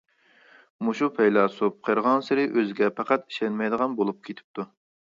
مۇشۇ پەيلاسوپ قېرىغانسېرى ئۆزىگە پەقەت ئىشەنمەيدىغان بولۇپ كېتىپتۇ.